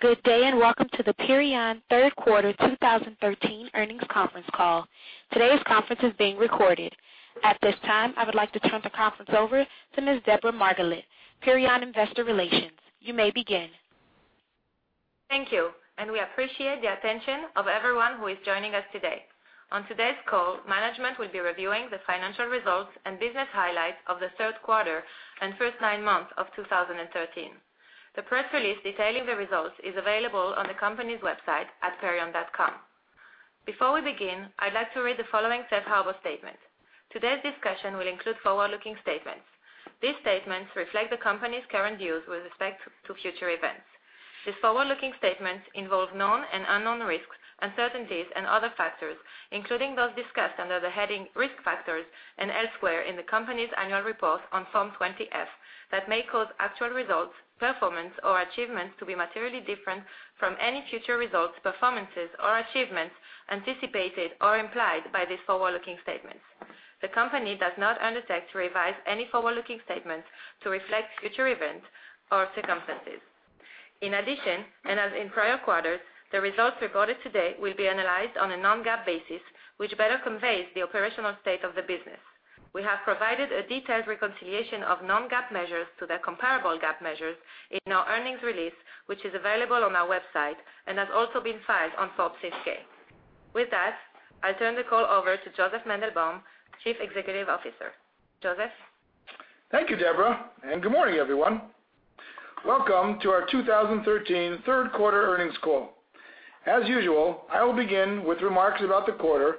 Good day, and welcome to the Perion third quarter 2013 earnings conference call. Today's conference is being recorded. At this time, I would like to turn the conference over to Ms. Deborah Margalit, Perion Investor Relations. You may begin. Thank you, and we appreciate the attention of everyone who is joining us today. On today's call, management will be reviewing the financial results and business highlights of the third quarter and first nine months of 2013. The press release detailing the results is available on the company's website at perion.com. Before we begin, I'd like to read the following safe harbor statement. Today's discussion will include forward-looking statements. These statements reflect the company's current views with respect to future events. These forward-looking statements involve known and unknown risks, uncertainties, and other factors, including those discussed under the heading "Risk Factors" and elsewhere in the company's annual report on Form 20-F, that may cause actual results, performance, or achievements to be materially different from any future results, performances, or achievements anticipated or implied by these forward-looking statements. The company does not undertake to revise any forward-looking statements to reflect future events or circumstances. In addition, and as in prior quarters, the results reported today will be analyzed on a non-GAAP basis, which better conveys the operational state of the business. We have provided a detailed reconciliation of non-GAAP measures to the comparable GAAP measures in our earnings release, which is available on our website and has also been filed on Form 6-K. With that, I turn the call over to Josef Mandelbaum, Chief Executive Officer. Joseph? Thank you, Deborah. Good morning, everyone. Welcome to our 2013 third quarter earnings call. As usual, I will begin with remarks about the quarter,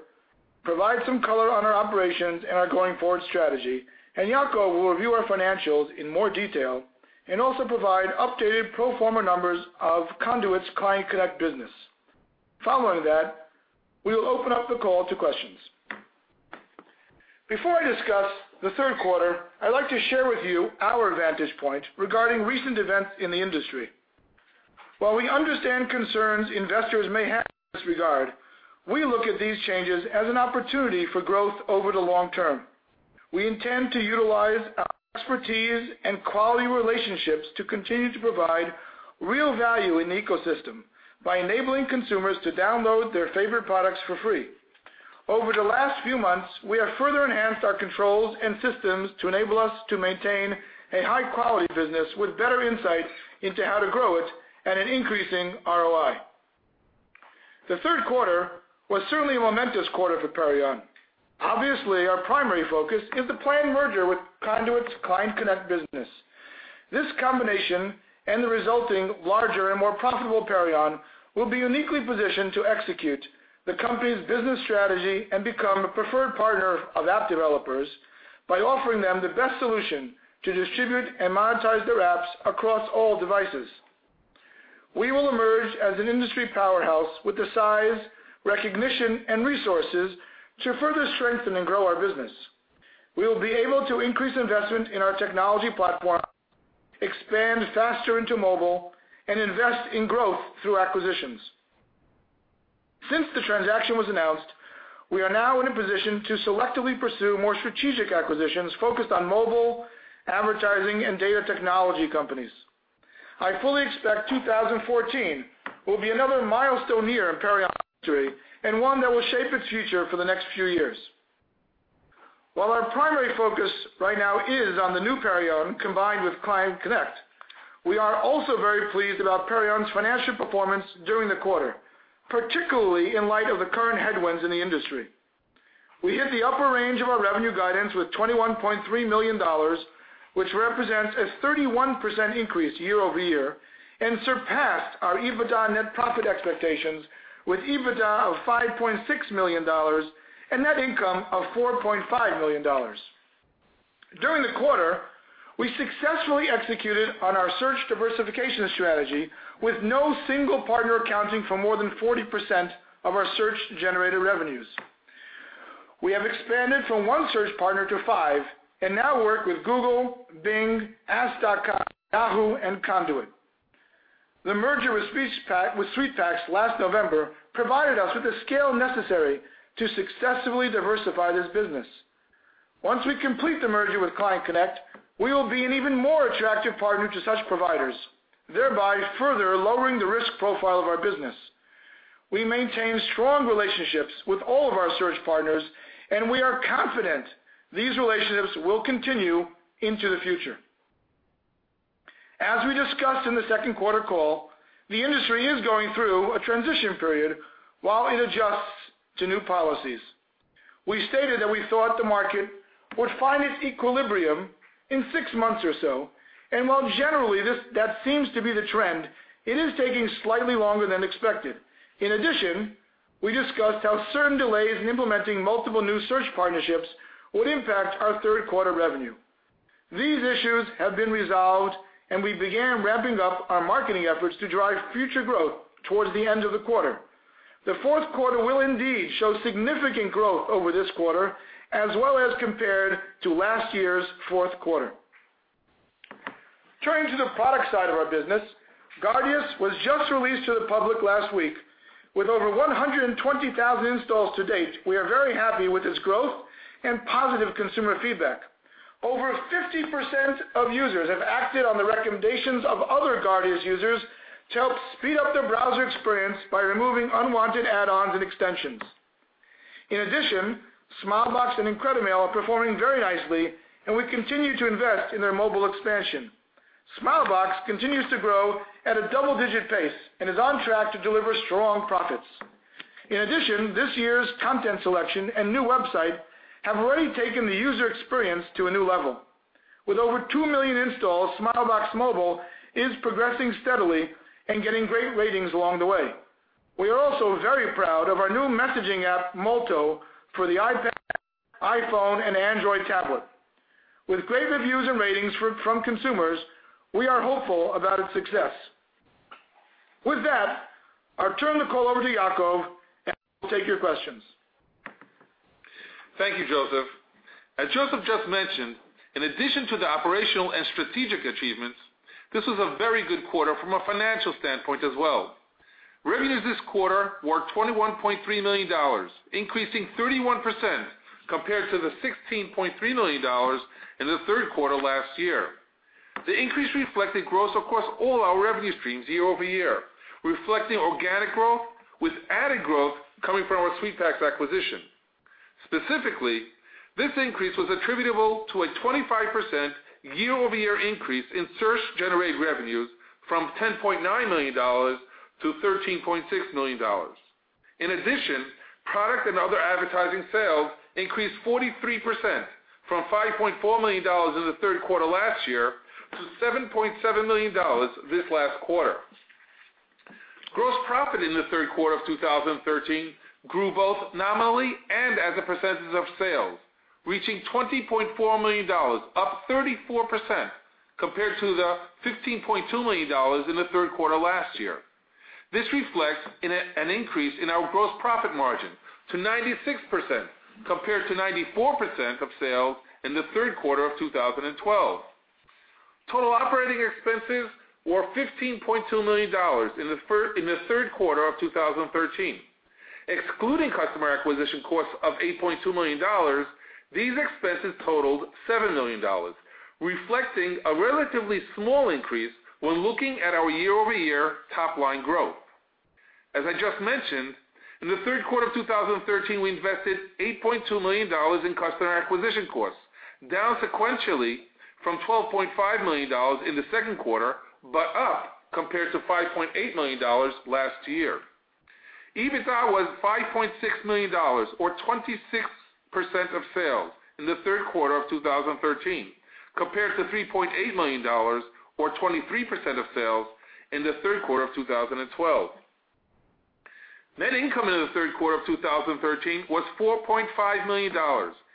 provide some color on our operations and our going-forward strategy, and Yacov will review our financials in more detail and also provide updated pro forma numbers of Conduit's ClientConnect business. Following that, we will open up the call to questions. Before I discuss the third quarter, I'd like to share with you our vantage point regarding recent events in the industry. While we understand concerns investors may have in this regard, we look at these changes as an opportunity for growth over the long term. We intend to utilize our expertise and quality relationships to continue to provide real value in the ecosystem by enabling consumers to download their favorite products for free. Over the last few months, we have further enhanced our controls and systems to enable us to maintain a high-quality business with better insight into how to grow it at an increasing ROI. The third quarter was certainly a momentous quarter for Perion. Obviously, our primary focus is the planned merger with Conduit's ClientConnect business. This combination and the resulting larger and more profitable Perion will be uniquely positioned to execute the company's business strategy and become a preferred partner of app developers by offering them the best solution to distribute and monetize their apps across all devices. We will emerge as an industry powerhouse with the size, recognition, and resources to further strengthen and grow our business. We will be able to increase investment in our technology platform, expand faster into mobile, and invest in growth through acquisitions. Since the transaction was announced, we are now in a position to selectively pursue more strategic acquisitions focused on mobile, advertising, and data technology companies. I fully expect 2014 will be another milestone year in Perion history and one that will shape its future for the next few years. While our primary focus right now is on the new Perion combined with ClientConnect, we are also very pleased about Perion's financial performance during the quarter, particularly in light of the current headwinds in the industry. We hit the upper range of our revenue guidance with $21.3 million, which represents a 31% increase year-over-year and surpassed our EBITDA net profit expectations with EBITDA of $5.6 million and net income of $4.5 million. During the quarter, we successfully executed on our search diversification strategy with no single partner accounting for more than 40% of our search-generated revenues. We have expanded from one search partner to five and now work with Google, Bing, Ask.com, Yahoo, and Conduit. The merger with SweetPacks last November provided us with the scale necessary to successfully diversify this business. Once we complete the merger with ClientConnect, we will be an even more attractive partner to such providers, thereby further lowering the risk profile of our business. We maintain strong relationships with all of our search partners, and we are confident these relationships will continue into the future. As we discussed in the second quarter call, the industry is going through a transition period while it adjusts to new policies. We stated that we thought the market would find its equilibrium in six months or so, and while generally that seems to be the trend, it is taking slightly longer than expected. In addition, we discussed how certain delays in implementing multiple new search partnerships would impact our third-quarter revenue. These issues have been resolved, and we began ramping up our marketing efforts to drive future growth towards the end of the quarter. The fourth quarter will indeed show significant growth over this quarter as well as compared to last year's fourth quarter. Turning to the product side of our business, Guardio was just released to the public last week. With over 120,000 installs to date, we are very happy with its growth and positive consumer feedback. Over 50% of users have acted on the recommendations of other Guardio's users to help speed up their browser experience by removing unwanted add-ons and extensions. In addition, Smilebox and IncrediMail are performing very nicely, and we continue to invest in their mobile expansion. Smilebox continues to grow at a double-digit pace and is on track to deliver strong profits. In addition, this year's content selection and new website have already taken the user experience to a new level. With over 2 million installs, Smilebox Mobile is progressing steadily and getting great ratings along the way. We are also very proud of our new messaging app, Molto, for the iPad, iPhone, and Android tablet. With great reviews and ratings from consumers, we are hopeful about its success. With that, I'll turn the call over to Yacov. He will take your questions. Thank you, Josef. As Josef just mentioned, in addition to the operational and strategic achievements, this was a very good quarter from a financial standpoint as well. Revenues this quarter were $21.3 million, increasing 31% compared to the $16.3 million in the third quarter last year. The increase reflected growth across all our revenue streams year-over-year, reflecting organic growth, with added growth coming from our SweetPacks acquisition. Specifically, this increase was attributable to a 25% year-over-year increase in search-generated revenues from $10.9 million to $13.6 million. Product and other advertising sales increased 43%, from $5.4 million in the third quarter last year to $7.7 million this last quarter. Gross profit in the third quarter of 2013 grew both nominally and as a percentage of sales, reaching $20.4 million, up 34% compared to the $15.2 million in the third quarter last year. This reflects an increase in our gross profit margin to 96% compared to 94% of sales in the third quarter of 2012. Total operating expenses were $15.2 million in the third quarter of 2013. Excluding customer acquisition costs of $8.2 million, these expenses totaled $7 million, reflecting a relatively small increase when looking at our year-over-year top-line growth. As I just mentioned, in the third quarter of 2013, we invested $8.2 million in customer acquisition costs, down sequentially from $12.5 million in the second quarter, but up compared to $5.8 million last year. EBITDA was $5.6 million, or 26% of sales in the third quarter of 2013, compared to $3.8 million or 23% of sales in the third quarter of 2012. Net income in the third quarter of 2013 was $4.5 million,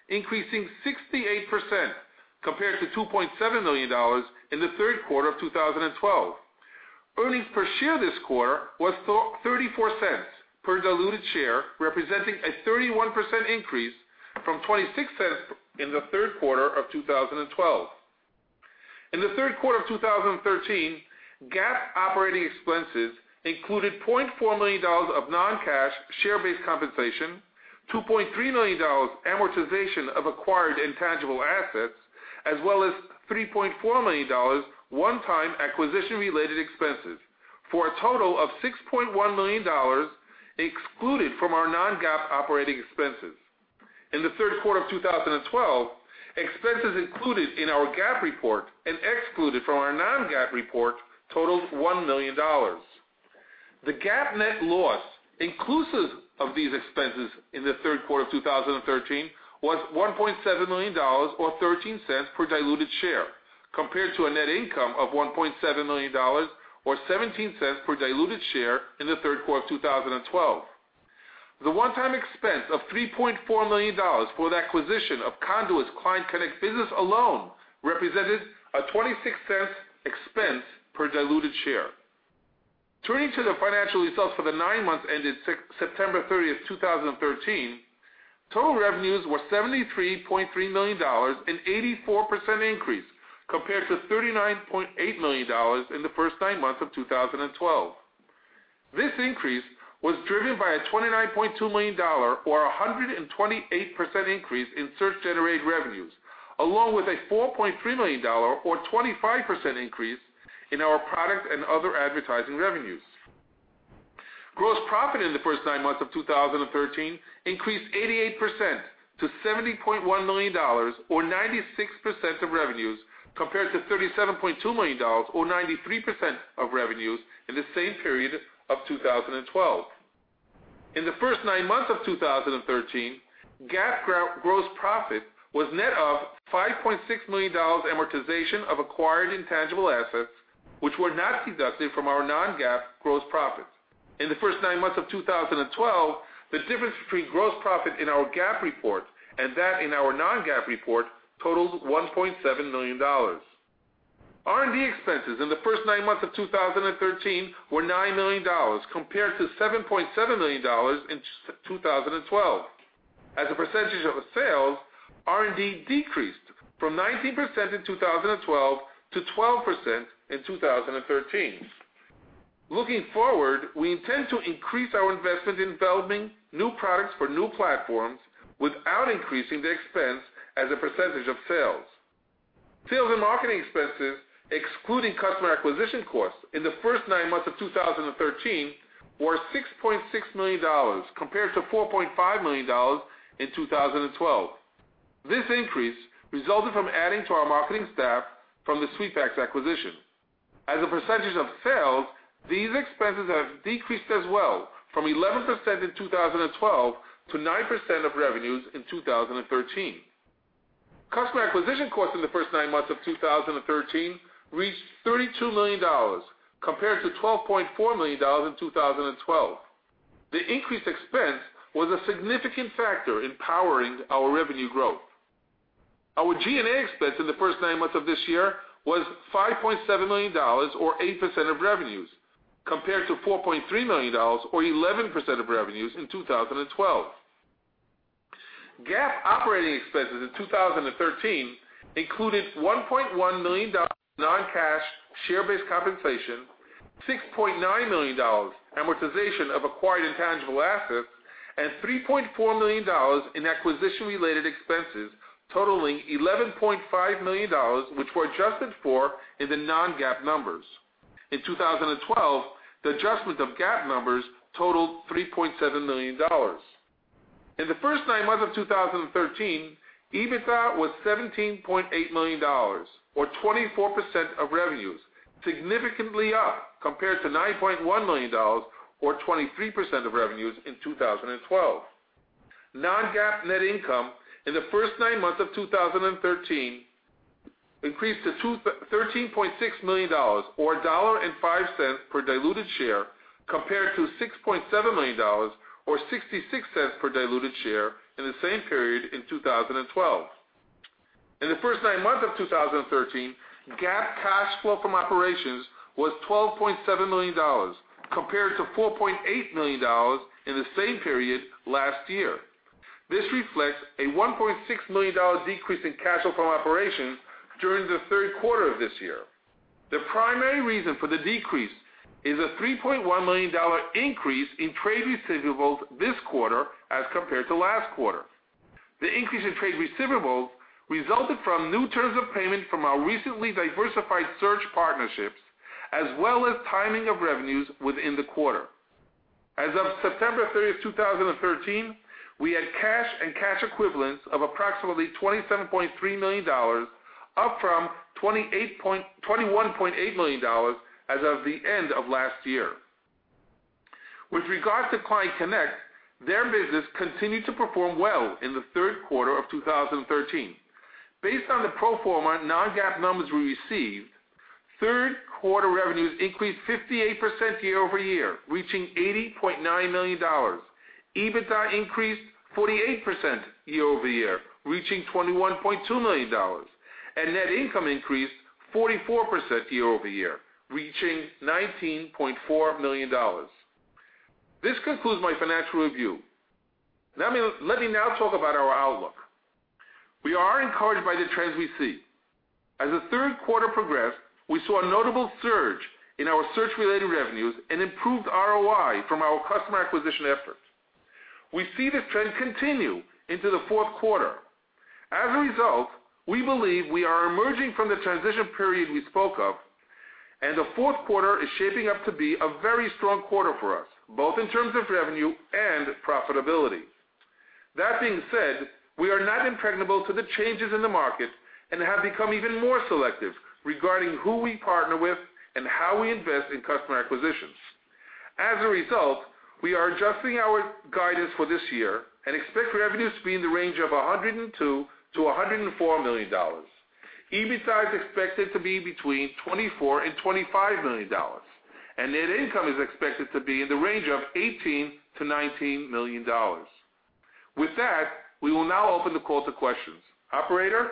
increasing 68% compared to $2.7 million in the third quarter of 2012. Earnings per share this quarter were $0.34 per diluted share, representing a 31% increase from $0.26 in the third quarter of 2012. In the third quarter of 2013, GAAP operating expenses included $0.4 million of non-cash share-based compensation, $2.3 million amortization of acquired intangible assets, as well as $3.4 million one-time acquisition-related expenses, for a total of $6.1 million excluded from our non-GAAP operating expenses. In the third quarter of 2012, expenses included in our GAAP report and excluded from our non-GAAP report totaled $1 million. The GAAP net loss inclusive of these expenses in the third quarter of 2013 was $1.7 million or $0.13 per diluted share, compared to a net income of $1.7 million or $0.17 per diluted share in the third quarter of 2012. The one-time expense of $3.4 million for the acquisition of Conduit's ClientConnect business alone represented a $0.26 expense per diluted share. Turning to the financial results for the nine months ended September 30th, 2013, total revenues were $73.3 million, an 84% increase compared to $39.8 million in the first nine months of 2012. This increase was driven by a $29.2 million or 128% increase in search-generated revenues, along with a $4.3 million or 25% increase in our product and other advertising revenues. Gross profit in the first nine months of 2013 increased 88% to $70.1 million or 96% of revenues, compared to $37.2 million or 93% of revenues in the same period of 2012. In the first nine months of 2013, GAAP gross profit was net of $5.6 million amortization of acquired intangible assets, which were not deducted from our non-GAAP gross profits. In the first nine months of 2012, the difference between gross profit in our GAAP report and that in our non-GAAP report totals $1.7 million. R&D expenses in the first nine months of 2013 were $9 million, compared to $7.7 million in 2012. As a percentage of sales, R&D decreased from 19% in 2012 to 12% in 2013. Looking forward, we intend to increase our investment in developing new products for new platforms without increasing the expense as a percentage of sales. Sales and marketing expenses, excluding customer acquisition costs, in the first nine months of 2013 were $6.6 million, compared to $4.5 million in 2012. This increase resulted from adding to our marketing staff from the SweetPacks acquisition. As a percentage of sales, these expenses have decreased as well from 11% in 2012 to 9% of revenues in 2013. Customer acquisition costs in the first nine months of 2013 reached $32 million, compared to $12.4 million in 2012. The increased expense was a significant factor in powering our revenue growth. Our G&A expense in the first nine months of this year was $5.7 million, or 8% of revenues, compared to $4.3 million, or 11% of revenues in 2012. GAAP operating expenses in 2013 included $1.1 million non-cash share-based compensation, $6.9 million amortization of acquired intangible assets, and $3.4 million in acquisition-related expenses, totaling $11.5 million, which were adjusted for in the non-GAAP numbers. In 2012, the adjustment of GAAP numbers totaled $3.7 million. In the first nine months of 2013, EBITDA was $17.8 million, or 24% of revenues, significantly up compared to $9.1 million or 23% of revenues in 2012. Non-GAAP net income in the first nine months of 2013 increased to $13.6 million, or $1.05 per diluted share, compared to $6.7 million or $0.66 per diluted share in the same period in 2012. In the first nine months of 2013, GAAP cash flow from operations was $12.7 million, compared to $4.8 million in the same period last year. This reflects a $1.6 million decrease in cash flow from operations during the third quarter of this year. The primary reason for the decrease is a $3.1 million increase in trade receivables this quarter as compared to last quarter. The increase in trade receivables resulted from new terms of payment from our recently diversified search partnerships, as well as timing of revenues within the quarter. As of September 30th, 2013, we had cash and cash equivalents of approximately $27.3 million, up from $21.8 million as of the end of last year. With regards to ClientConnect, their business continued to perform well in the third quarter of 2013. Based on the pro forma non-GAAP numbers we received, third quarter revenues increased 58% year-over-year, reaching $80.9 million. EBITDA increased 48% year-over-year, reaching $21.2 million, and net income increased 44% year-over-year, reaching $19.4 million. This concludes my financial review. Let me now talk about our outlook. We are encouraged by the trends we see. As the third quarter progressed, we saw a notable surge in our search-related revenues and improved ROI from our customer acquisition efforts. We see this trend continue into the fourth quarter. As a result, we believe we are emerging from the transition period we spoke of, and the fourth quarter is shaping up to be a very strong quarter for us, both in terms of revenue and profitability. That being said, we are not impregnable to the changes in the market and have become even more selective regarding who we partner with and how we invest in customer acquisitions. As a result, we are adjusting our guidance for this year and expect revenues to be in the range of $102 million-$104 million. EBITDA is expected to be between $24 million and $25 million, and net income is expected to be in the range of $18 million-$19 million. With that, we will now open the call to questions. Operator?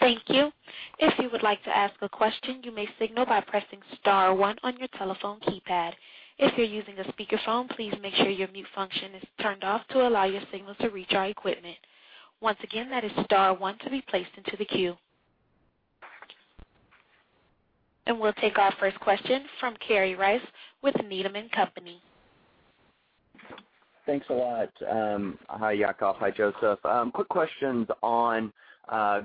Thank you. If you would like to ask a question, you may signal by pressing star one on your telephone keypad. If you're using a speakerphone, please make sure your mute function is turned off to allow your signal to reach our equipment. Once again, that is star one to be placed into the queue. We'll take our first question from Kerry Rice with Needham & Company. Thanks a lot. Hi, Yacov. Hi, Josef. Quick questions on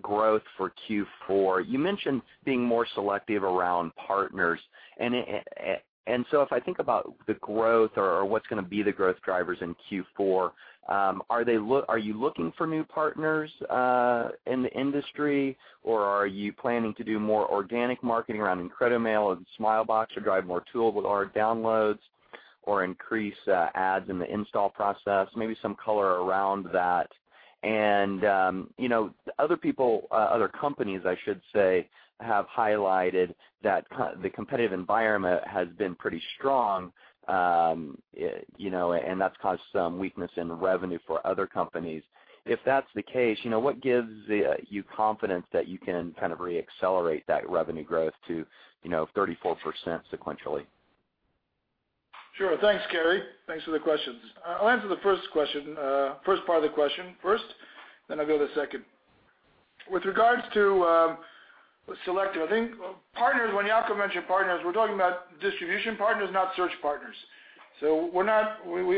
growth for Q4. You mentioned being more selective around partners. If I think about the growth or what's going to be the growth drivers in Q4, are you looking for new partners in the industry, or are you planning to do more organic marketing around IncrediMail and Smilebox or drive more tools with our downloads or increase ads in the install process? Maybe some color around that. Other companies, I should say, have highlighted that the competitive environment has been pretty strong, and that's caused some weakness in revenue for other companies. If that's the case, what gives you confidence that you can reaccelerate that revenue growth to 34% sequentially? Sure. Thanks, Kerry. Thanks for the questions. I'll answer the first part of the question first, then I'll go to the second. With regards to selective, I think partners, when Yacov mentioned partners, we're talking about distribution partners, not search partners. We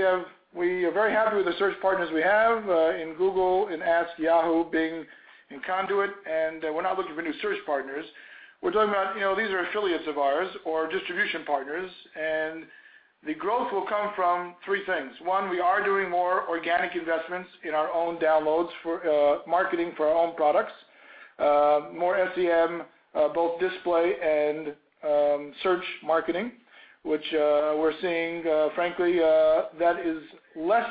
are very happy with the search partners we have in Google, in Ask, Yahoo, Bing, and Conduit, and we're not looking for new search partners. We're talking about, these are affiliates of ours or distribution partners, and the growth will come from three things. One, we are doing more organic investments in our own downloads for marketing for our own products. More SEM, both display and search marketing, which we're seeing, frankly, that is less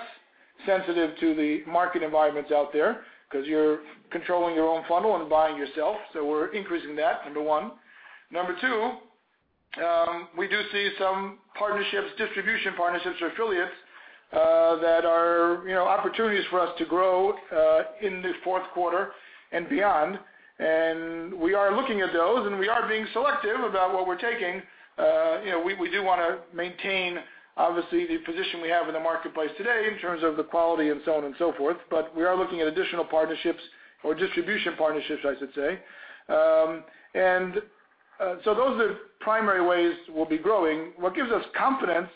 sensitive to the market environments out there because you're controlling your own funnel and buying yourself. We're increasing that, number one. Number two, we do see some distribution partnerships or affiliates that are opportunities for us to grow in the fourth quarter and beyond. We are looking at those, and we are being selective about what we're taking. We do want to maintain, obviously, the position we have in the marketplace today in terms of the quality and so on and so forth. We are looking at additional partnerships or distribution partnerships, I should say. Those are the primary ways we'll be growing. What gives us confidence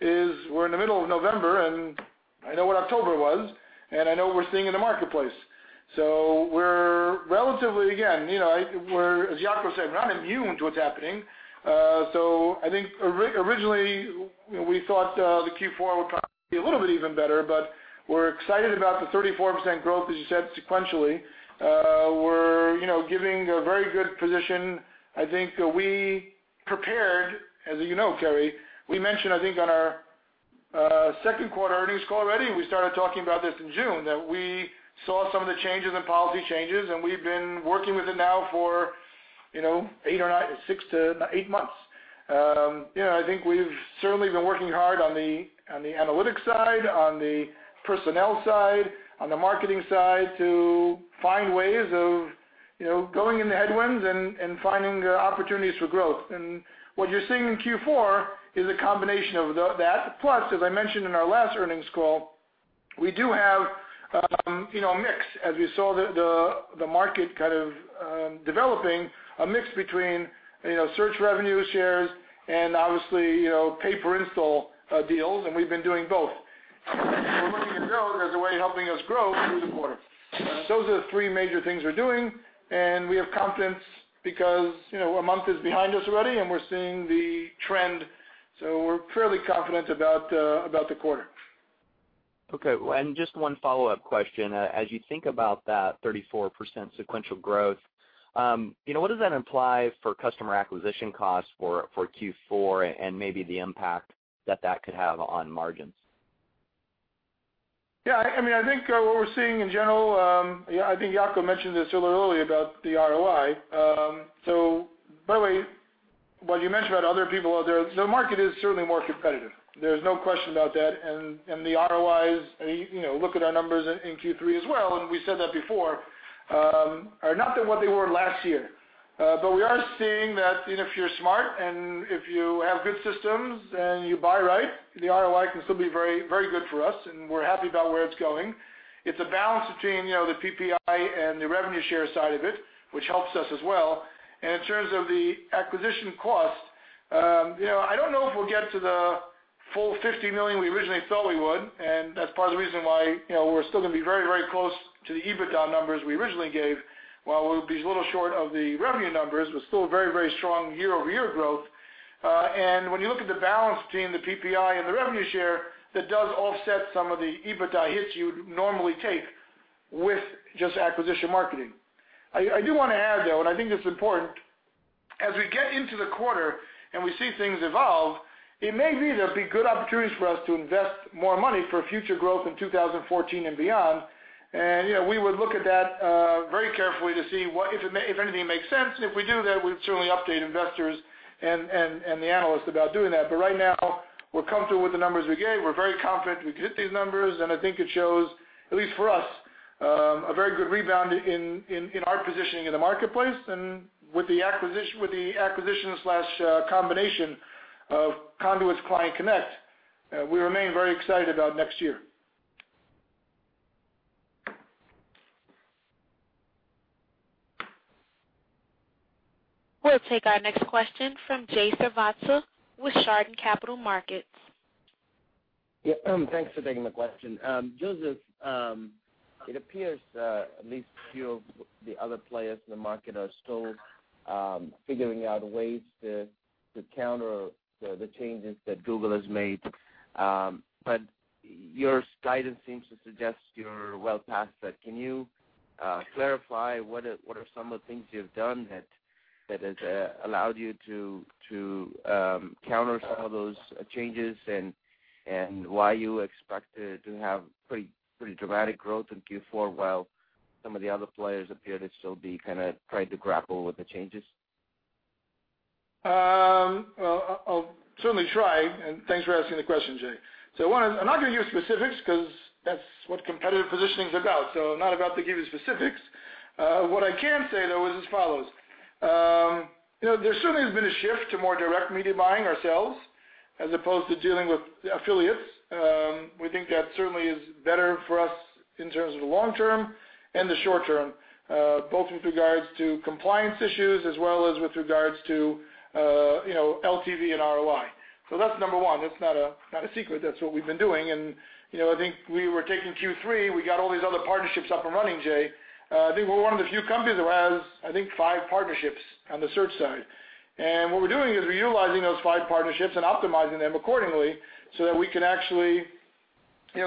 is we're in the middle of November, and I know what October was, and I know what we're seeing in the marketplace. We're relatively, again, as Yacov said, we're not immune to what's happening. I think originally, we thought the Q4 would probably be a little bit even better, but we're excited about the 34% growth, as you said, sequentially. We're giving a very good position. I think we prepared, as you know, Kerry, we mentioned, I think on our second quarter earnings call already, we started talking about this in June, that we saw some of the changes and policy changes, and we've been working with it now for six to eight months. I think we've certainly been working hard on the analytics side, on the personnel side, on the marketing side to find ways of going in the headwinds and finding opportunities for growth. What you're seeing in Q4 is a combination of that. Plus, as I mentioned in our last earnings call, we do have a mix, as we saw the market kind of developing a mix between search revenue shares and obviously pay-per-install deals, and we've been doing both. We're looking to grow as a way of helping us grow through the quarter. Those are the three major things we're doing, and we have confidence because a month is behind us already, and we're seeing the trend. We're fairly confident about the quarter. Okay, just one follow-up question. As you think about that 34% sequential growth, what does that imply for customer acquisition costs for Q4 and maybe the impact that that could have on margins? Yeah, I think what we're seeing in general, I think Yacov mentioned this a little earlier about the ROI. By the way, while you mentioned about other people out there, the market is certainly more competitive. There's no question about that, the ROIs, look at our numbers in Q3 as well, and we said that before, are not what they were last year. We are seeing that if you're smart and if you have good systems and you buy right, the ROI can still be very good for us, and we're happy about where it's going. It's a balance between the PPI and the revenue share side of it, which helps us as well. In terms of the acquisition cost, I don't know if we'll get to the full $50 million we originally thought we would, that's part of the reason why we're still going to be very close to the EBITDA numbers we originally gave. While we'll be a little short of the revenue numbers, we're still very strong year-over-year growth. When you look at the balance between the PPI and the revenue share, that does offset some of the EBITDA hits you'd normally take with just acquisition marketing. I do want to add, though, and I think it's important. As we get into the quarter and we see things evolve, it may be there'll be good opportunities for us to invest more money for future growth in 2014 and beyond. We would look at that very carefully to see if anything makes sense, if we do that, we'd certainly update investors and the analysts about doing that. Right now, we're comfortable with the numbers we gave. We're very confident we can hit these numbers, I think it shows, at least for us, a very good rebound in our positioning in the marketplace. With the acquisition/combination of Conduit's ClientConnect, we remain very excited about next year. We'll take our next question from Jay Srivatsa with Chardan Capital Markets. Yeah. Thanks for taking the question. Josef, it appears at least a few of the other players in the market are still figuring out ways to counter the changes that Google has made. Your guidance seems to suggest you're well past that. Can you clarify what are some of the things you've done that has allowed you to counter some of those changes, and why you expect to have pretty dramatic growth in Q4 while some of the other players appear to still be kind of trying to grapple with the changes? Well, I'll certainly try, and thanks for asking the question, Jay. I'm not going to give specifics because that's what competitive positioning is about. I'm not about to give you specifics. What I can say, though, is as follows. There certainly has been a shift to more direct media buying ourselves, as opposed to dealing with affiliates. We think that certainly is better for us in terms of the long term and the short term, both with regards to compliance issues as well as with regards to LTV and ROI. That's number one. That's not a secret. That's what we've been doing, and I think we were taking Q3, we got all these other partnerships up and running, Jay. I think we're one of the few companies that has, I think, five partnerships on the search side. What we're doing is we're utilizing those five partnerships and optimizing them accordingly so that we can actually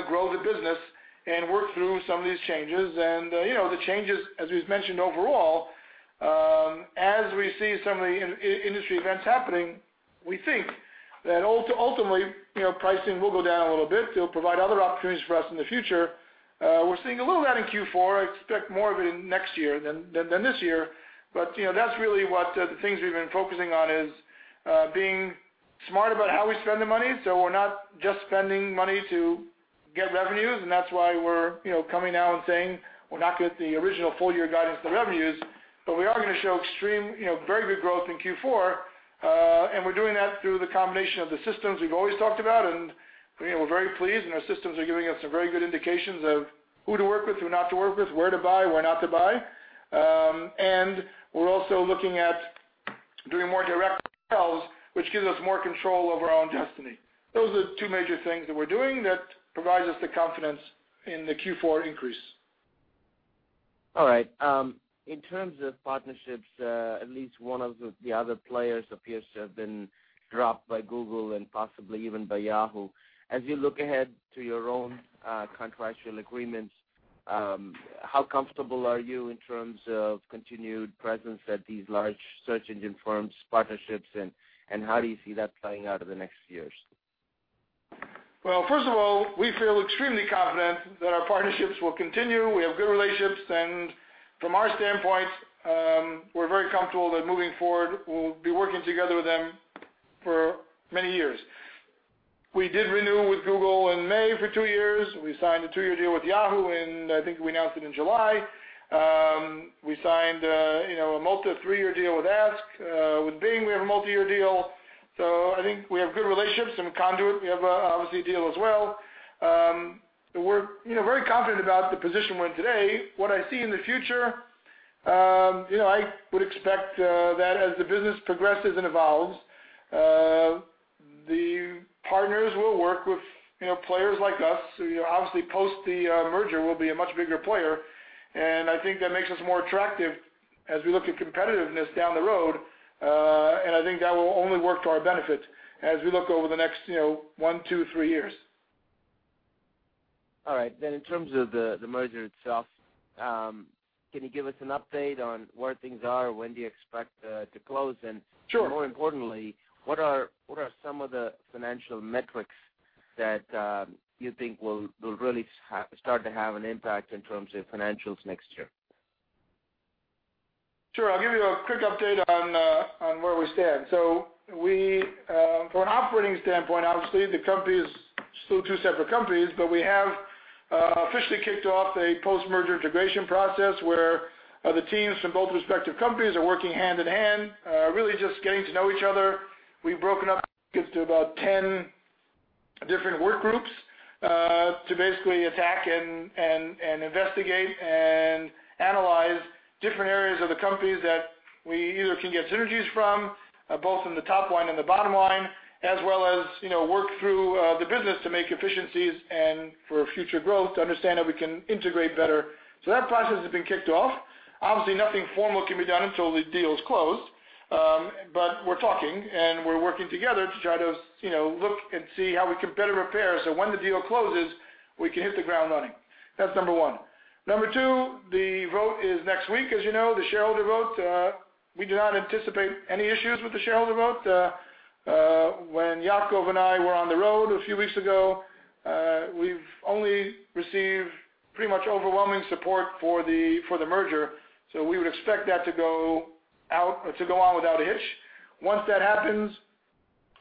grow the business and work through some of these changes. The changes, as we've mentioned overall, as we see some of the industry events happening, we think that ultimately, pricing will go down a little bit. It'll provide other opportunities for us in the future. We're seeing a little of that in Q4. I expect more of it next year than this year. That's really what the things we've been focusing on is being smart about how we spend the money. We're not just spending money to get revenues, and that's why we're coming out and saying we'll not get the original full-year guidance for revenues. We are going to show very good growth in Q4. We're doing that through the combination of the systems we've always talked about, and we're very pleased, and our systems are giving us some very good indications of who to work with, who not to work with, where to buy, where not to buy. We're also looking at doing more direct sales, which gives us more control over our own destiny. Those are the two major things that we're doing that provides us the confidence in the Q4 increase. All right. In terms of partnerships, at least one of the other players appears to have been dropped by Google and possibly even by Yahoo. As you look ahead to your own contractual agreements, how comfortable are you in terms of continued presence at these large search engine firms' partnerships, and how do you see that playing out over the next years? Well, first of all, we feel extremely confident that our partnerships will continue. We have good relationships, and from our standpoint, we're very comfortable that moving forward, we'll be working together with them for many years. We did renew with Google in May for two years. We signed a two-year deal with Yahoo, and I think we announced it in July. We signed a multi-three-year deal with Ask. With Bing, we have a multi-year deal. I think we have good relationships, and Conduit, we have obviously a deal as well. We're very confident about the position we're in today. What I see in the future, I would expect that as the business progresses and evolves, the partners will work with players like us, who obviously post the merger will be a much bigger player, and I think that makes us more attractive as we look at competitiveness down the road. I think that will only work to our benefit as we look over the next one, two, three years. All right. In terms of the merger itself, can you give us an update on where things are? When do you expect to close? Sure. More importantly, what are some of the financial metrics that you think will really start to have an impact in terms of financials next year? Sure. I'll give you a quick update on where we stand. From an operating standpoint, obviously, the company is still two separate companies, but we have officially kicked off a post-merger integration process where the teams from both respective companies are working hand-in-hand, really just getting to know each other. We've broken up into about 10 different work groups, to basically attack and investigate and analyze different areas of the companies that we either can get synergies from, both in the top line and the bottom line, as well as work through the business to make efficiencies and for future growth to understand how we can integrate better. That process has been kicked off. Obviously, nothing formal can be done until the deal is closed. We're talking, and we're working together to try to look and see how we can better prepare, so when the deal closes, we can hit the ground running. That's number one. Number two, the vote is next week, as you know, the shareholder vote. We do not anticipate any issues with the shareholder vote. When Yacov and I were on the road a few weeks ago, we've only received pretty much overwhelming support for the merger. We would expect that to go on without a hitch. Once that happens,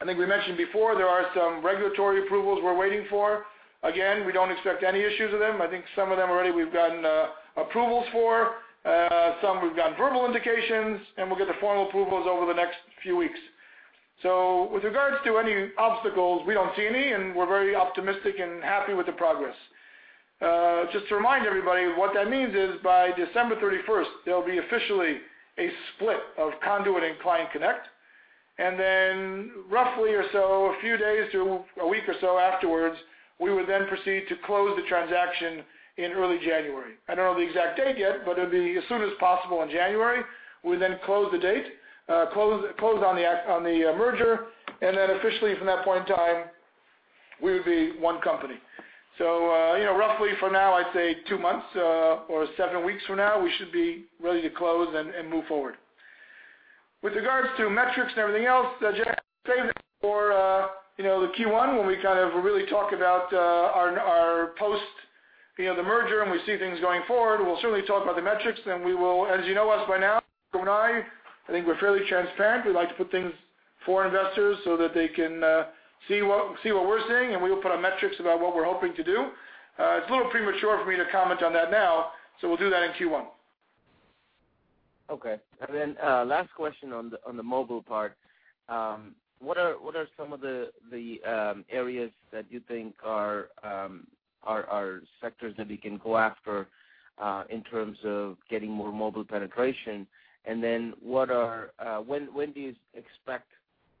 I think we mentioned before, there are some regulatory approvals we're waiting for. Again, we don't expect any issues with them. I think some of them already we've gotten approvals for. Some we've gotten verbal indications, and we'll get the formal approvals over the next few weeks. With regards to any obstacles, we do not see any, and we are very optimistic and happy with the progress. Just to remind everybody, what that means is by December 31st, there will be officially a split of Conduit and ClientConnect. Roughly or so, a few days to a week or so afterwards, we would then proceed to close the transaction in early January. I do not know the exact date yet, but it will be as soon as possible in January. We will close the date, close on the merger, and then officially from that point in time, we would be one company. Roughly for now, I would say two months or seven weeks from now, we should be ready to close and move forward. With regards to metrics and everything else, as you say, for the Q1, when we kind of really talk about our post the merger, and we see things going forward, we will certainly talk about the metrics, and we will, as you know us by now, Yacov and I think we are fairly transparent. We like to put things for investors so that they can see what we are seeing, and we will put up metrics about what we are hoping to do. It is a little premature for me to comment on that now, so we will do that in Q1. Okay. Last question on the mobile part. What are some of the areas that you think are sectors that we can go after in terms of getting more mobile penetration? When do you expect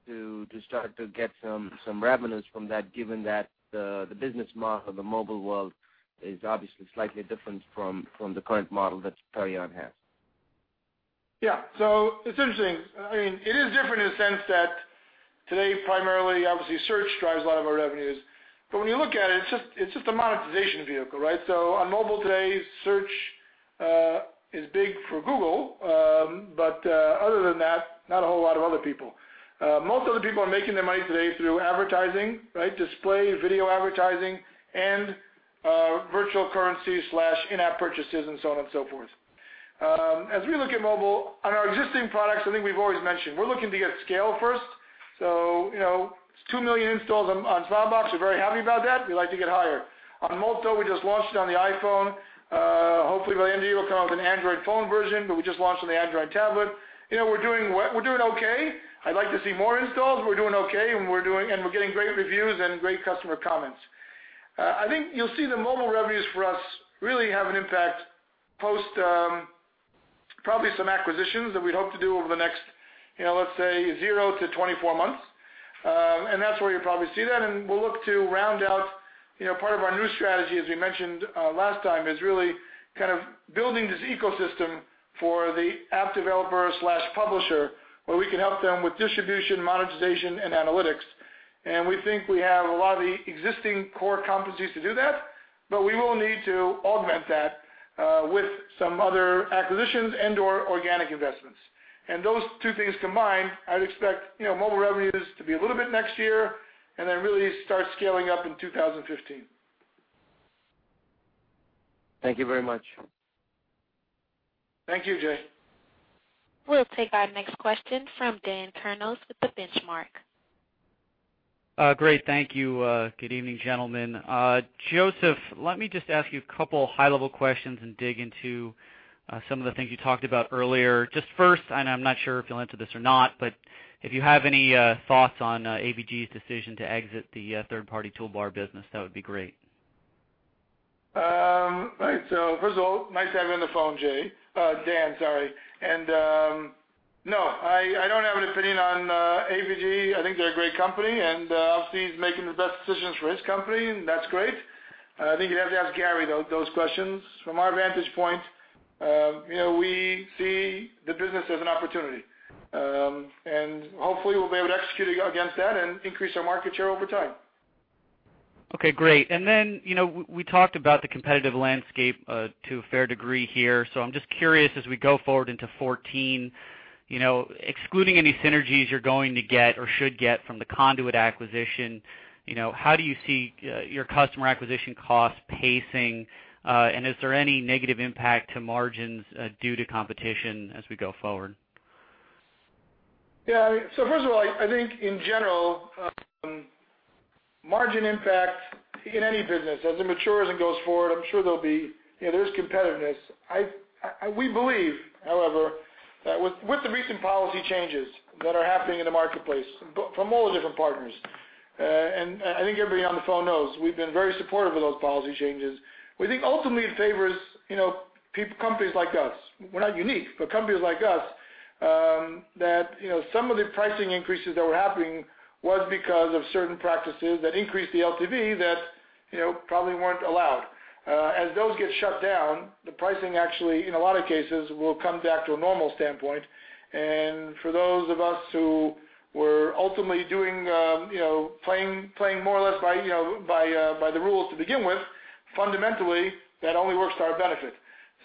to start to get some revenues from that, given that the business model of the mobile world is obviously slightly different from the current model that Perion has? Yeah. It is interesting. It is different in the sense that today, primarily, obviously, search drives a lot of our revenues. When you look at it is just a monetization vehicle, right? On mobile today, search is big for Google, but other than that, not a whole lot of other people. Most of the people are making their money today through advertising, right? Display, video advertising, and virtual currency/in-app purchases and so on and so forth. As we look at mobile, on our existing products, I think we have always mentioned. We are looking to get scale first. It is two million installs on Smilebox. We are very happy about that. We would like to get higher. On Molto, we just launched it on the iPhone. Hopefully by the end of the year, we will come out with an Android phone version, but we just launched on the Android tablet. We are doing okay. I'd like to see more installs, but we're doing okay, and we're getting great reviews and great customer comments. I think you'll see the mobile revenues for us really have an impact post probably some acquisitions that we'd hope to do over the next, let's say, zero to 24 months. That's where you'll probably see that, and we'll look to round out. Part of our new strategy, as we mentioned last time, is really kind of building this ecosystem for the app developer/publisher, where we can help them with distribution, monetization, and analytics. We think we have a lot of the existing core competencies to do that, but we will need to augment that with some other acquisitions and/or organic investments. Those two things combined, I'd expect mobile revenues to be a little bit next year and then really start scaling up in 2015. Thank you very much. Thank you, Jay. We'll take our next question from Daniel Kurnos with The Benchmark. Great, thank you. Good evening, gentlemen. Josef, let me just ask you a couple of high-level questions and dig into some of the things you talked about earlier. Just first, and I'm not sure if you'll answer this or not, but if you have any thoughts on AVG's decision to exit the third-party toolbar business, that would be great. Right. First of all, nice having you on the phone, Jay. Dan, sorry. No, I don't have an opinion on AVG. I think they're a great company, and obviously he's making the best decisions for his company, and that's great. I think you'd have to ask Gary those questions. From our vantage point, we see the business as an opportunity. Hopefully we'll be able to execute against that and increase our market share over time. Okay, great. Then, we talked about the competitive landscape to a fair degree here. I'm just curious, as we go forward into 2014, excluding any synergies you're going to get or should get from the Conduit acquisition, how do you see your customer acquisition cost pacing, and is there any negative impact to margins due to competition as we go forward? Yeah. First of all, I think, in general, margin impact in any business, as it matures and goes forward, I'm sure there's competitiveness. We believe, however, that with the recent policy changes that are happening in the marketplace from all the different partners, and I think everybody on the phone knows, we've been very supportive of those policy changes. We think ultimately it favors companies like us. We're not unique, but companies like us, that some of the pricing increases that were happening was because of certain practices that increased the LTV that probably weren't allowed. As those get shut down, the pricing actually, in a lot of cases, will come back to a normal standpoint. For those of us who were ultimately playing more or less by the rules to begin with, fundamentally, that only works to our benefit.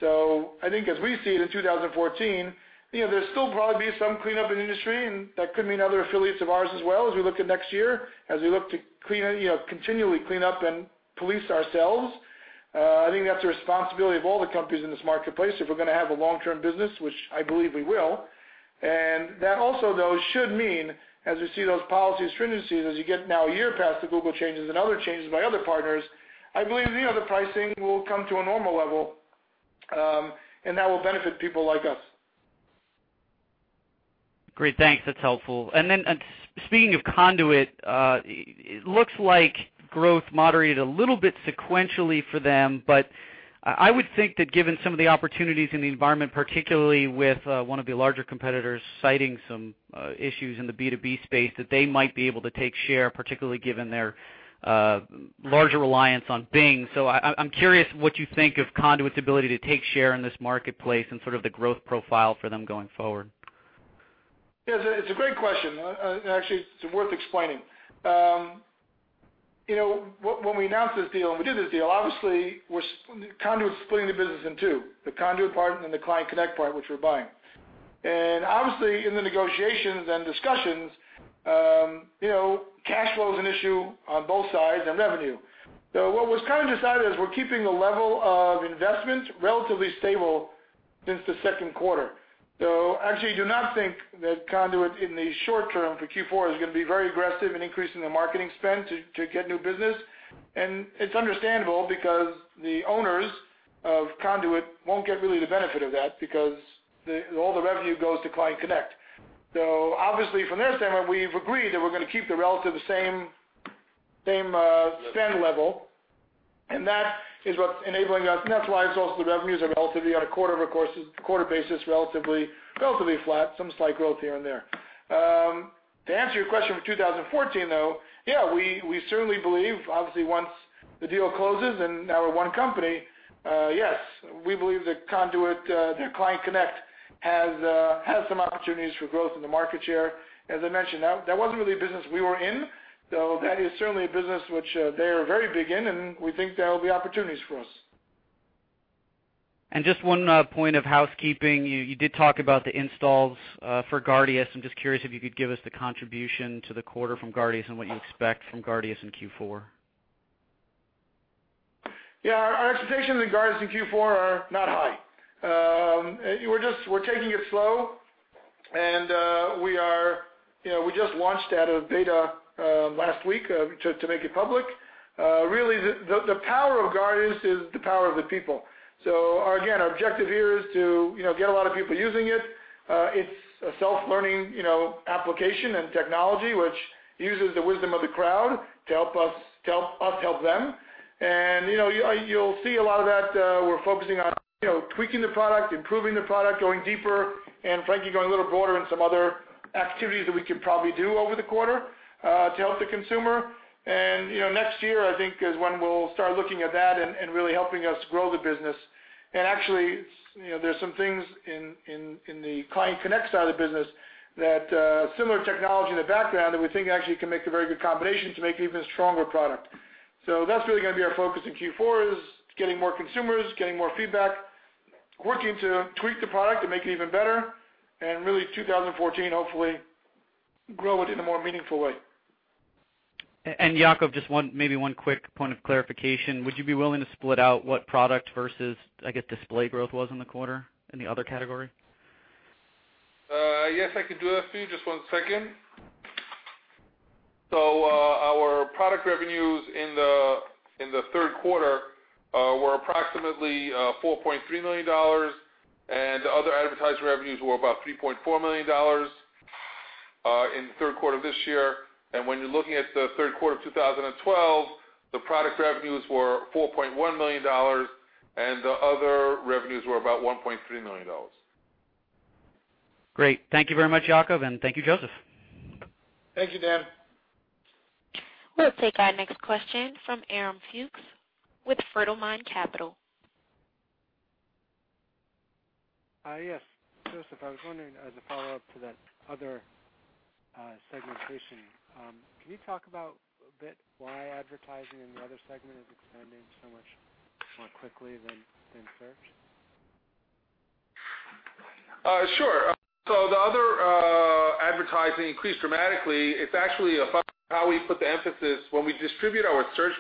I think as we see it in 2014, there'll still probably be some cleanup in the industry, and that could mean other affiliates of ours as well as we look at next year, as we look to continually clean up and police ourselves. I think that's a responsibility of all the companies in this marketplace if we're going to have a long-term business, which I believe we will. That also, though, should mean, as we see those policies stringencies, as you get now a year past the Google changes and other changes by other partners, I believe the pricing will come to a normal level, and that will benefit people like us. Great, thanks. That's helpful. Speaking of Conduit, it looks like growth moderated a little bit sequentially for them, but I would think that given some of the opportunities in the environment, particularly with one of the larger competitors citing some issues in the B2B space, that they might be able to take share, particularly given their larger reliance on Bing. I'm curious what you think of Conduit's ability to take share in this marketplace and sort of the growth profile for them going forward. Yeah, it's a great question. Actually, it's worth explaining. When we announced this deal and we did this deal, obviously, Conduit was splitting the business in two, the Conduit part and then the ClientConnect part, which we're buying. Obviously, in the negotiations and discussions, cash flow is an issue on both sides of revenue. What was decided is we're keeping the level of investment relatively stable since the second quarter. Actually, I do not think that Conduit, in the short term for Q4, is going to be very aggressive in increasing their marketing spend to get new business. It's understandable because the owners of Conduit won't get really the benefit of that because all the revenue goes to ClientConnect. Obviously from their standpoint, we've agreed that we're going to keep the relative same spend level, and that is what's enabling us, and that's why also the revenues are relatively on a quarter basis relatively flat, some slight growth here and there. To answer your question for 2014, though, yeah, we certainly believe, obviously once the deal closes and now we're one company, yes, we believe that ClientConnect has some opportunities for growth in the market share. As I mentioned, that wasn't really a business we were in, so that is certainly a business which they are very big in, and we think there will be opportunities for us. Just one point of housekeeping, you did talk about the installs for Guardio. I'm just curious if you could give us the contribution to the quarter from Guardio and what you expect from Guardio in Q4. Yeah. Our expectations in Guardio in Q4 are not high. We're taking it slow, and we just launched out of beta last week to make it public. Really, the power of Guardio is the power of the people. Again, our objective here is to get a lot of people using it. It's a self-learning application and technology which uses the wisdom of the crowd to help us help them. You'll see a lot of that, we're focusing on tweaking the product, improving the product, going deeper, and frankly, going a little broader in some other activities that we could probably do over the quarter to help the consumer. Next year, I think, is when we'll start looking at that and really helping us grow the business. Actually, there's some things in the ClientConnect side of the business that similar technology in the background that we think actually can make a very good combination to make an even stronger product. That's really going to be our focus in Q4, is getting more consumers, getting more feedback, working to tweak the product and make it even better, and really 2014, hopefully grow it in a more meaningful way. Yacov, just maybe one quick point of clarification. Would you be willing to split out what product versus, I guess, display growth was in the quarter in the other category? Yes, I can do that for you. Just one second. Our product revenues in the third quarter were approximately $4.3 million, and other advertising revenues were about $3.4 million in the third quarter of this year. When you're looking at the third quarter of 2012, the product revenues were $4.1 million, and the other revenues were about $1.3 million. Great. Thank you very much, Yacov, and thank you, Josef. Thank you, Dan. We'll take our next question from Aram Fuchs with Fertile Mind Capital. Yes. Josef, I was wondering, as a follow-up to that other segmentation, can you talk about a bit why advertising in the other segment is expanding so much more quickly than search? Sure. The other advertising increased dramatically. It's actually about how we put the emphasis when we distribute our search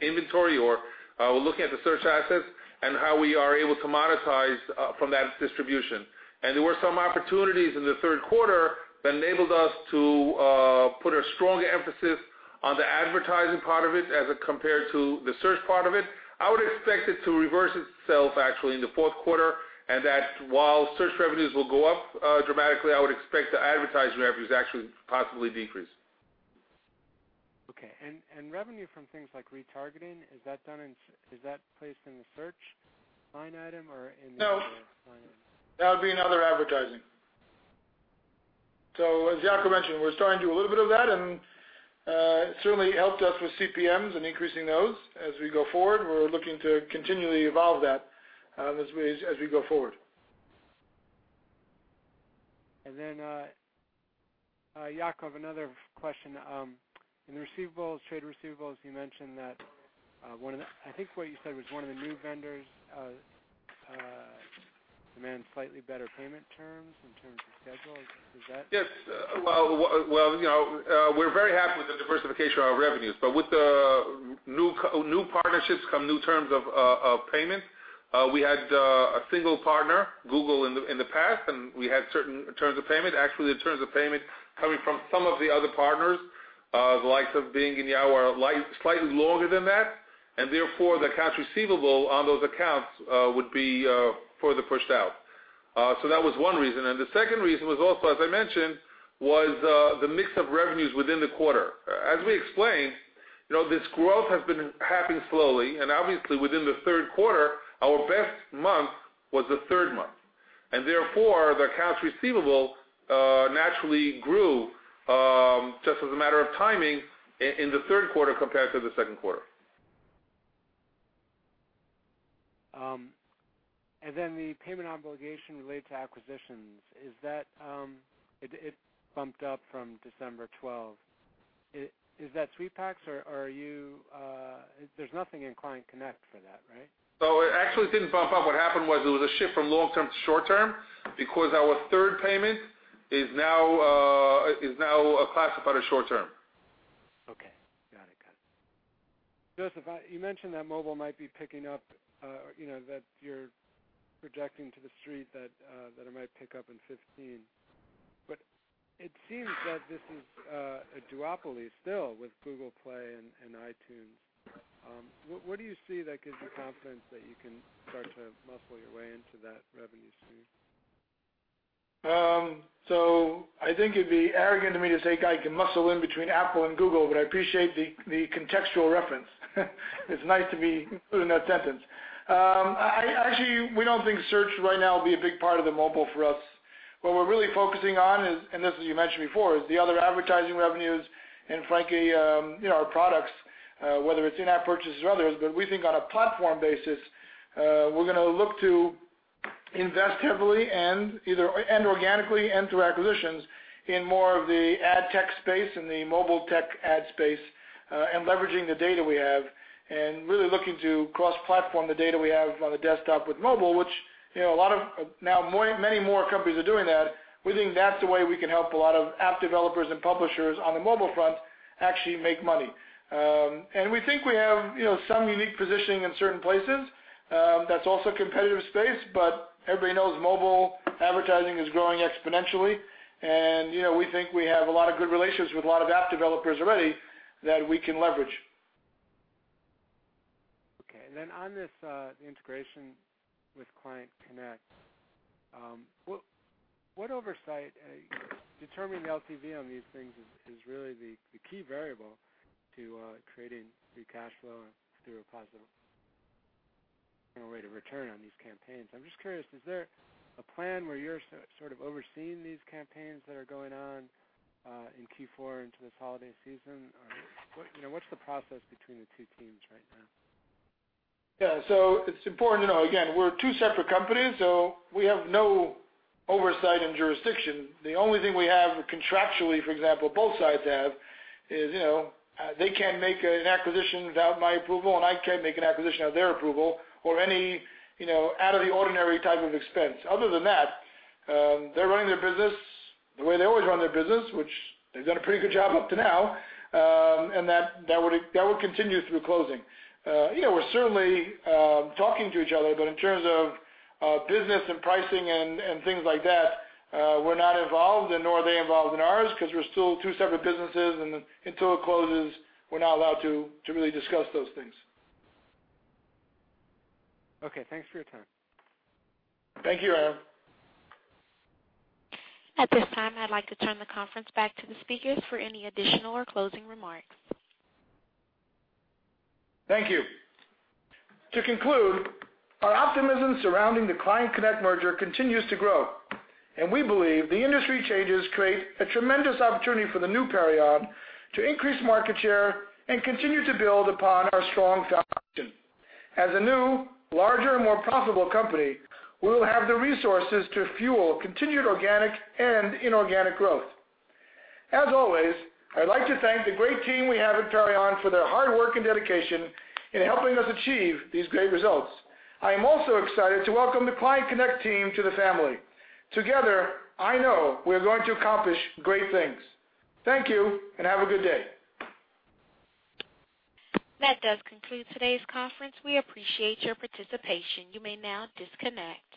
inventory, or we're looking at the search assets and how we are able to monetize from that distribution. There were some opportunities in the third quarter that enabled us to put a strong emphasis on the advertising part of it as compared to the search part of it. I would expect it to reverse itself actually in the fourth quarter, while search revenues will go up dramatically, I would expect the advertising revenues actually possibly decrease. Okay. Revenue from things like retargeting, is that placed in the search line item or in the other- No line item? That would be in other advertising. As Yacov mentioned, we're starting to do a little bit of that, and it certainly helped us with CPMs and increasing those as we go forward. We're looking to continually evolve that as we go forward. Yacov, another question. In the receivables, trade receivables, you mentioned that one of the, I think what you said was one of the new vendors demands slightly better payment terms in terms of schedule. Is that? Yes. Well, we're very happy with the diversification of our revenues, with the new partnerships come new terms of payment. We had a single partner, Google, in the past, and we had certain terms of payment. Actually, the terms of payment coming from some of the other partners, the likes of Bing and Yahoo, are slightly longer than that, and therefore, the accounts receivable on those accounts would be further pushed out. That was one reason. The second reason was also, as I mentioned, was the mix of revenues within the quarter. We explained, this growth has been happening slowly, and obviously within the third quarter, our best month was the third month, and therefore, the accounts receivable naturally grew, just as a matter of timing, in the third quarter compared to the second quarter. The payment obligation related to acquisitions. It bumped up from December 2012. Is that SweetPacks? There's nothing in ClientConnect for that, right? It actually didn't bump up. What happened was it was a shift from long-term to short-term, because our third payment is now classified as short-term. Okay. Got it. Got it. Josef, you mentioned that mobile might be picking up, that you're projecting to the street that it might pick up in 2015. It seems that this is a duopoly still with Google Play and iTunes. What do you see that gives you confidence that you can start to muscle your way into that revenue stream? I think it'd be arrogant of me to say I can muscle in between Apple and Google, but I appreciate the contextual reference. It's nice to be included in that sentence. Actually, we don't think search right now will be a big part of the mobile for us. What we're really focusing on is, and this as you mentioned before, is the other advertising revenues and frankly, our products, whether it's in-app purchases or others. We think on a platform basis, we're going to look to invest heavily and organically and through acquisitions in more of the ad tech space and the mobile tech ad space, and leveraging the data we have and really looking to cross-platform the data we have on the desktop with mobile, which now many more companies are doing that. We think that's the way we can help a lot of app developers and publishers on the mobile front actually make money. We think we have some unique positioning in certain places. That's also a competitive space, but everybody knows mobile advertising is growing exponentially. We think we have a lot of good relationships with a lot of app developers already that we can leverage. Okay. On this integration with ClientConnect, what oversight? Determining LTV on these things is really the key variable to creating free cash flow through a positive rate of return on these campaigns. I'm just curious, is there a plan where you're sort of overseeing these campaigns that are going on in Q4 into this holiday season? What's the process between the two teams right now? Yeah. It's important to know, again, we're two separate companies, so we have no oversight and jurisdiction. The only thing we have contractually, for example, both sides have, is they can't make an acquisition without my approval, and I can't make an acquisition without their approval or any out of the ordinary type of expense. Other than that, they're running their business the way they always run their business, which they've done a pretty good job up to now, and that would continue through closing. We're certainly talking to each other, but in terms of business and pricing and things like that, we're not involved, and nor are they involved in ours because we're still two separate businesses, and until it closes, we're not allowed to really discuss those things. Okay. Thanks for your time. Thank you, Aram. At this time, I'd like to turn the conference back to the speakers for any additional or closing remarks. Thank you. To conclude, our optimism surrounding the ClientConnect merger continues to grow. We believe the industry changes create a tremendous opportunity for the new Perion to increase market share and continue to build upon our strong foundation. As a new, larger, more profitable company, we will have the resources to fuel continued organic and inorganic growth. As always, I'd like to thank the great team we have at Perion for their hard work and dedication in helping us achieve these great results. I am also excited to welcome the ClientConnect team to the family. Together, I know we're going to accomplish great things. Thank you. Have a good day. That does conclude today's conference. We appreciate your participation. You may now disconnect.